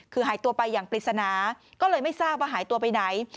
คือหายตัวไปอย่างปริศนาก็เลยไม่ทราบว่าหายตัวไปไหน